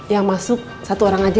yang masuk satu orang aja